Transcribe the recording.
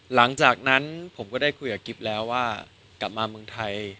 หลังจากนั้นผมก็ได้คุยกับกิฟต์แล้วว่ากลับมาเมืองไทย